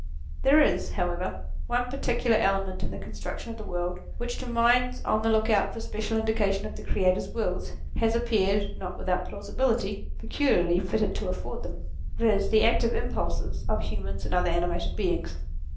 There is however one particular element in the construction of the world, which to minds on the look out for special indication of the Creator's will, has appeared, not without plausibility, peculiarly fitted to afford them ; viz. the active impulses of human and other animated beings.